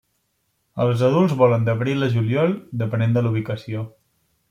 Els adults volen d'abril a juliol, depenent de la ubicació.